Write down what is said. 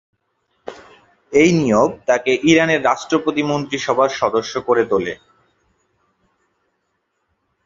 এই নিয়োগ তাকে ইরানের রাষ্ট্রপতি মন্ত্রিসভার সদস্য করে তোলে।